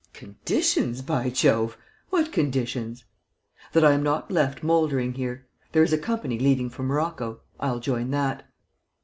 "Conditions, by Jove! What conditions?" "That I am not left mouldering here. There is a company leaving for Morocco. I'll join that."